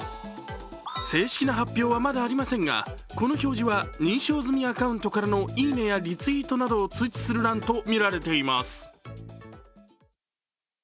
正式な発表はまだありませんがこの表示は認証済みアカウントからの「いいね」やリツイートなどを通知する欄と見られています。